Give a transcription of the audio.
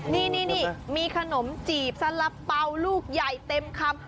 นี่มีขนมจีบสละเป๋าลูกใหญ่เต็มคำ